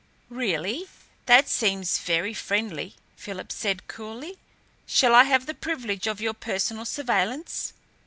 "Really, that seems very friendly," Philip said coolly. "Shall I have the privilege of your personal surveillance?"